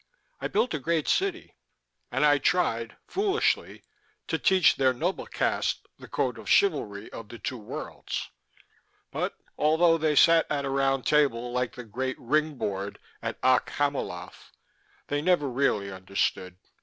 I built a great city, and I tried foolishly to teach their noble caste the code of chivalry of the Two Worlds. But although they sat at a round table like the great Ring board at Okk Hamiloth, they never really understood.